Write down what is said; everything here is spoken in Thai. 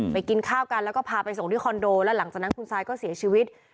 กินข้าวกันแล้วก็พาไปส่งที่คอนโดแล้วหลังจากนั้นคุณซายก็เสียชีวิต